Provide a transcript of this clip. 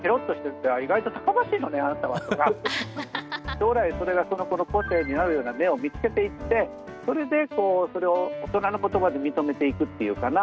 将来それがその子の個性になるような芽を見つけていってそれでそれを大人の言葉で認めていくっていうかな。